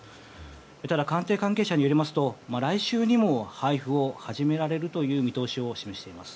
ただ、官邸関係者によりますと来週にも配布を始められるという見通しを示しています。